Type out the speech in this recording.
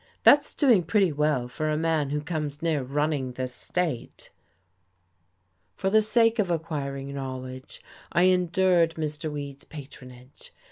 "That's doing pretty well for a man who comes near running this state." For the sake of acquiring knowledge, I endured Mr. Weed's patronage.